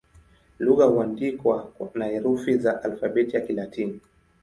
Lugha huandikwa na herufi za Alfabeti ya Kilatini.